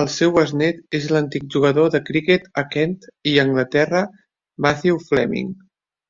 El seu besnet és l'antic jugador de criquet a Kent i Anglaterra Matthew Fleming.